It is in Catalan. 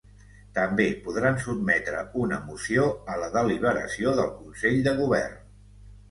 També podran sotmetre una moció a la deliberació del Consell de Govern.